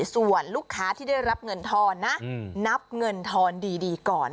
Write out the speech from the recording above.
ส่วนลูกค้าที่ได้รับเงินทอนนะนับเงินทอนดีก่อน